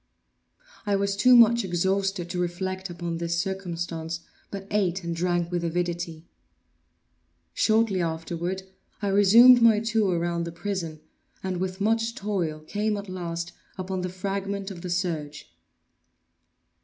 I was too much exhausted to reflect upon this circumstance, but ate and drank with avidity. Shortly afterward, I resumed my tour around the prison, and with much toil came at last upon the fragment of the serge.